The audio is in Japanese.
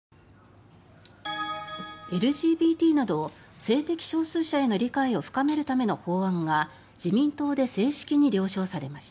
ＬＧＢＴなど性的少数者への理解を深めるための法案が自民党で正式に了承されました。